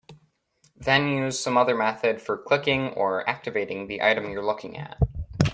Then use some other method for clicking or "activating" the item you're looking at.